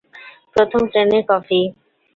প্রথম শ্রেণীর কফি।